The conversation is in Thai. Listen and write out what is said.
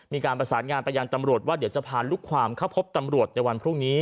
มีการประสานงานไปยังตำรวจว่าเดี๋ยวจะพาลูกความเข้าพบตำรวจในวันพรุ่งนี้